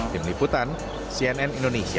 di meliputan cnn indonesia